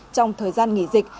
trong thời gian nghỉ dịch